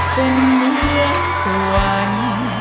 เป็นเฮียงสวรรค์